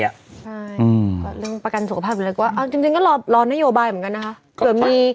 ใช่เรื่องประกันสุขภาพจริงก็รอนโยบายเหมือนกันนะคะ